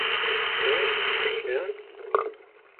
Кӱм, кӱм?